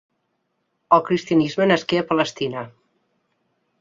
El cristianisme nasqué a Palestina.